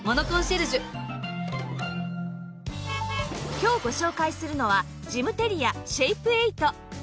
今日ご紹介するのはジムテリアシェイプエイト